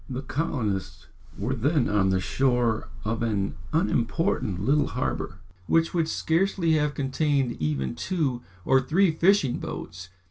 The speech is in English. The colonists were then on the shore of an unimportant little harbour, which would scarcely have contained even two or three fishing boats.